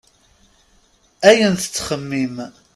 Ayen tettxemmim.